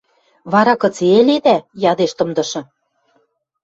— Вара кыце ӹледӓ? — ядеш тымдышы.